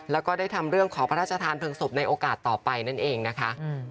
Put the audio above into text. แล้วก็ได้ทำเรื่องขอพระราชทานเพลิงศพในโอกาสต่อไปนั่นเองนะคะ